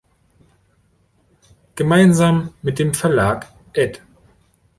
Gemeinsam mit dem Verlag Ed.